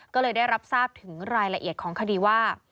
ก็เลยได้รับทราบถึงรายละเอียดของคดีว่า